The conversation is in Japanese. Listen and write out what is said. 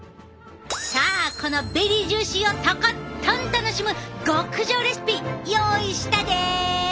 さあこのベリージューシーをとことん楽しむ極上レシピ用意したで！